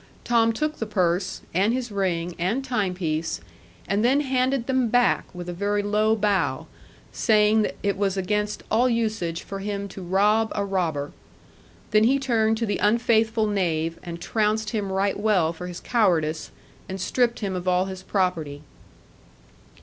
Tom took the purse, and his ring, and time piece, and then handed them back with a very low bow, saying that it was against all usage for him to rob a robber. Then he turned to the unfaithful knave, and trounced him right well for his cowardice, and stripped him of all his property.